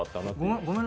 ごめんな。